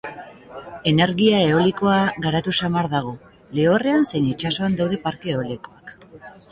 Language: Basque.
Energia eolikoa garatu samar dago, lehorrean zein itsasoan daude parke eolikoak.